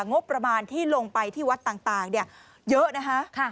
งบประมาณที่ลงไปที่วัดต่างเยอะนะคะ